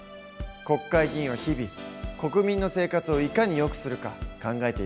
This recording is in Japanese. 国会議員は日々国民の生活をいかに良くするか考えているんだね。